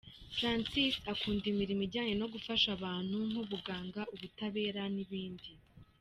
Francis akunda imirimo ijyanye no gufasha abantu nk’ubuganga, ubutabera n’ibindi.